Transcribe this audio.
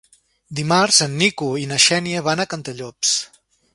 Dimarts en Nico i na Xènia van a Cantallops.